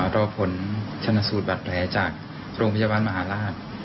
รอผลชนสูตรบาดแผลจากโรงพยาบาลมหาราช